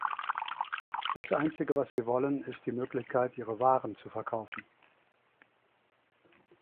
Das einzige was sie wollen, ist die Möglichkeit, ihre Waren zu verkaufen.